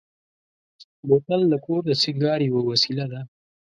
بوتل د کور د سینګار یوه وسیله ده.